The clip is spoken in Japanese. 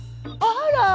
あら！